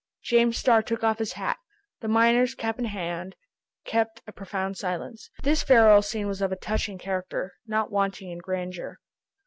James Starr took off his hat. The miners, cap in hand, kept a profound silence. This farewell scene was of a touching character, not wanting in grandeur.